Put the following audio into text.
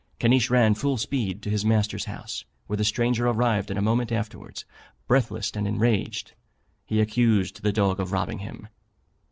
Caniche ran full speed to his master's house, where the stranger arrived a moment afterwards, breathless and enraged. He accused the dog of robbing him.